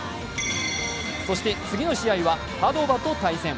そして、次の試合はパドヴァと対戦。